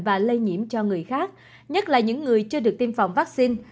và lây nhiễm cho người khác nhất là những người chưa được tiêm phòng vaccine